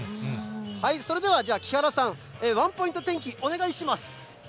それでは、じゃあ木原さん、ワンポイント天気、お願いします。